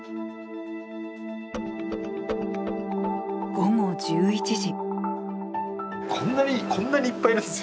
午後１１時。